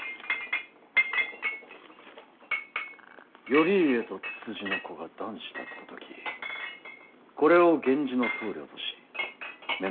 「頼家とつつじの子が男子だった時これを源氏の棟梁とし乳